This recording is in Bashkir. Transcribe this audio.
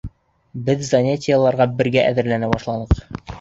Беҙ занятиеларға бергә әҙерләнә башланыҡ.